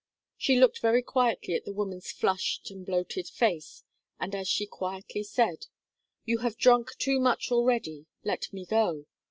She looked very quietly at the woman's flushed and bloated face, and as quietly she said: "You have drunk too much already; let me go."